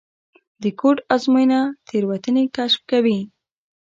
د کوډ ازموینه تېروتنې کشف کوي.